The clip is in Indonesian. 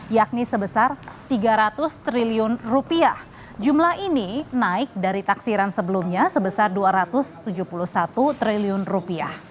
yakni sebesar tiga ratus triliun rupiah jumlah ini naik dari taksiran sebelumnya sebesar dua ratus tujuh puluh satu triliun rupiah